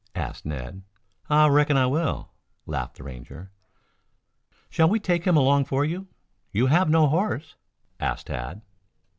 asked Ned. "I reckon I will," laughed the Ranger. "Shall we take him along for you? You have no horse?" asked Tad.